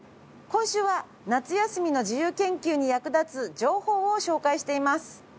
今週は夏休みの自由研究に役立つ情報を紹介しています。